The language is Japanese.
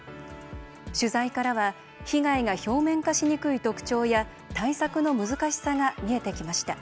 取材からは被害が表面化しにくい特徴や対策の難しさが見えてきました。